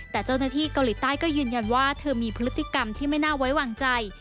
แต่เจ้าหน้าที่เกาหลีใต้ก็ยืนยันว่าเธอมีพฤติกรรมที่ไม่น่าไว้วางใจ